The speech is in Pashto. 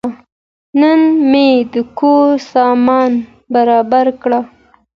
نن مې د کور سامان برابر کړ.